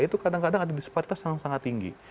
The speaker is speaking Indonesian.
itu kadang kadang ada disparitas yang sangat tinggi